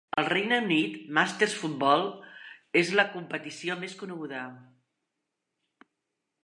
Al Regne Unit, Masters Football és la competició més coneguda.